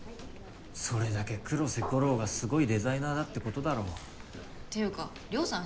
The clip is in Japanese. それだけ黒瀬吾郎がすごいデザイナーだってことだろっていうかリョウさん